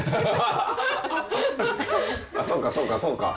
そうか、そうか、そうか。